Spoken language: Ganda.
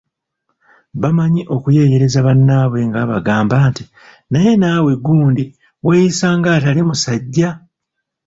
Bamanyi okuyeeyereza bannaabwe nga babagamba nti,"Naye naawe gundi weeyisa ng'atali musajja!